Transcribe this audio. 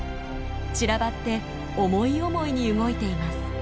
散らばって思い思いに動いています。